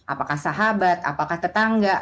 apakah sahabat apakah tetangga